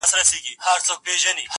د نورو ديد د بادينزي گومان.